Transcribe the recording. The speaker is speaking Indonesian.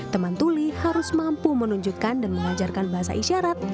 teman tuli harus mampu menunjukkan dan mengajarkan bahasa isyarat